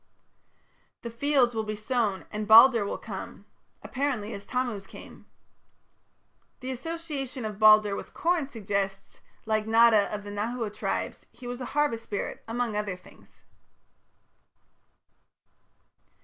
The fields will be sown and "Balder will come" apparently as Tammuz came. The association of Balder with corn suggests that, like Nata of the Nahua tribes, he was a harvest spirit, among other things.